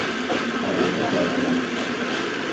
Ez ê biceribînim.